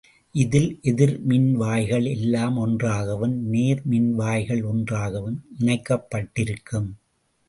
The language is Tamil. இதில் எதிர் மின்வாய்கள் எல்லாம் ஒன்றாகவும் நேர் மின்வாய்கள் ஒன்றாகவும் இணைக்கப்பட்டிருக்கும்.